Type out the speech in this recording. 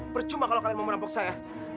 bercuma kalau kalian mau menampok saya